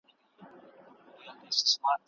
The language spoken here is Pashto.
ماشوم د مور له تکرار خبرې ښه کوي.